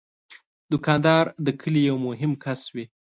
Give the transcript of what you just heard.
دوکاندار د کلي یو مهم کس وي.